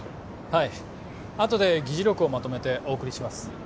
はいあとで議事録をまとめてお送りします